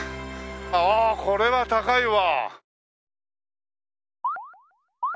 ああこれは高いわ。